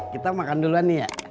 kita makan duluan ya